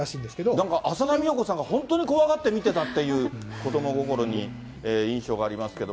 なんか浅田美代子さんが本当に怖がって見てたっていう、子ども心に印象がありますけど。